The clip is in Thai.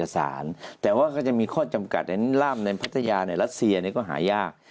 สำคัญ